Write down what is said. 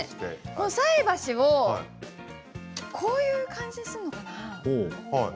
菜箸をこういう感じにするのかな。